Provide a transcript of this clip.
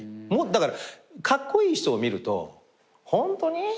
だからカッコイイ人を見るとホントに？